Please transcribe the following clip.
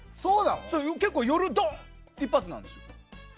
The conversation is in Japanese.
結構、夜ドーン！って一発なんですよ。